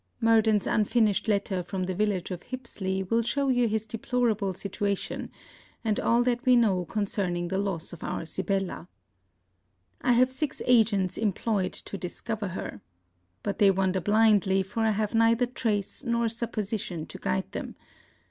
Murden's unfinished letter from the village of Hipsley will show you his deplorable situation, and all that we know concerning the loss of our Sibella. I have six agents employed to discover her. But they wander blindly, for I have neither trace, nor supposition, to guide them.